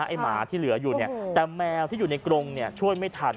หมาที่เหลืออยู่เนี่ยแต่แมวที่อยู่ในกรงช่วยไม่ทัน